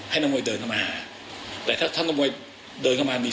หรือไม่ทำมากับคนตัวเองได้